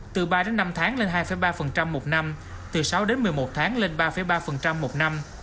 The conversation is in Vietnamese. từ ba đến năm tháng lên hai ba một năm từ sáu đến một mươi một tháng lên ba ba một năm